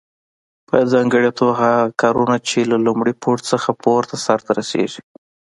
په ځانګړي توګه هغه کارونه چې له لومړي پوړ څخه پورته سرته رسیږي.